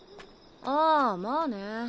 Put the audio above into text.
ああまあね。